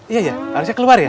iya iya harusnya keluar ya